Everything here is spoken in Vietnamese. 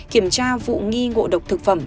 kiểm tra vụ nghi ngộ độc thực phẩm